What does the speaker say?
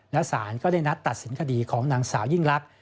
และสารก็ได้นัดตัดสินคดีของนางสาวยิ่งลักษณ